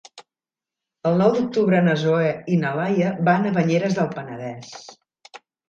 El nou d'octubre na Zoè i na Laia van a Banyeres del Penedès.